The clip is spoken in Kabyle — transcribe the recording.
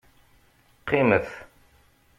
Qqimet!